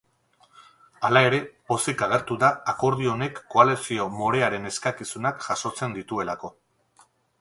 Hala ere, pozik agertu da akordio honek koalizio morearen eskakizunak jasotzen dituelako.